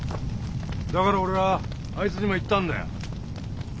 だから俺はあいつにも言ったんだよ。